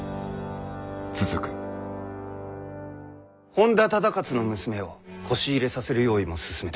本多忠勝の娘をこし入れさせる用意も進めております。